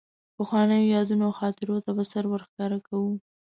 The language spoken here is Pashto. پخوانیو یادونو او خاطرو ته به سر ورښکاره کاوه.